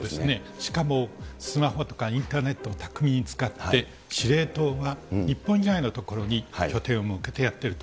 しかもスマホとかインターネットを巧みに使って、指令塔が日本以外の所に拠点を持ってやってると。